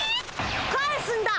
返すんだ！